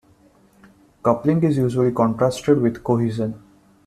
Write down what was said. Coupling is usually contrasted with cohesion.